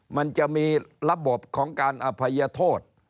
มันจะมีระบบของการอภัยโทษ